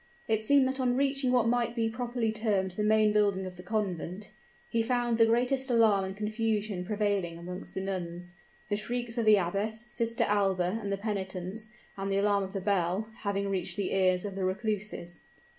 It seemed that on reaching what might be properly termed the main building of the convent, he found the greatest alarm and confusion prevailing amongst the nuns, the shrieks of the abbess, Sister Alba, and the penitents, and the alarm of the bell, having reached the ears of the recluses.